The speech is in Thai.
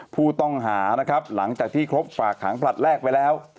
ผู้ต้องหานะครับหลังจากที่ครบฝากขังผลัดแรกไปแล้ว